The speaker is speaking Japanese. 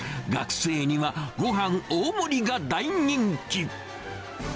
学生にはごはん大盛りが大人気。